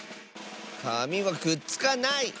かみはくっつかない！